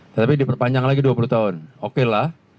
tetapi diperpanjang lagi dua puluh tahun oke lah